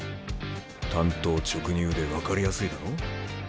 単刀直入で分かりやすいだろう？